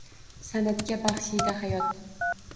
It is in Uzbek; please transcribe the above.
San’atga baxshida hayot